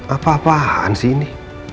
apa apaan sih ini